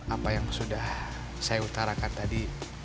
apa yang sudah saya utarakan tadi